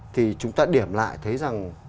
thì chúng ta điểm lại thấy rằng